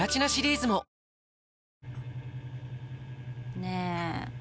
ねえ